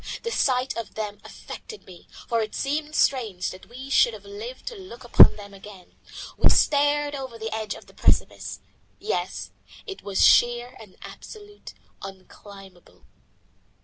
The sight of them affected me, for it seemed strange that we should have lived to look upon them again. We stared over the edge of the precipice. Yes, it was sheer and absolutely unclimbable.